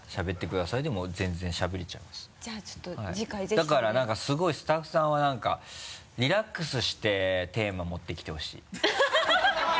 だから何かすごいスタッフさんは何かリラックスしてテーマ持ってきてほしい。